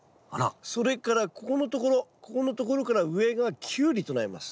それからここのところここのところから上がキュウリとなります。